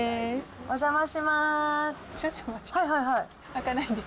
お邪魔します。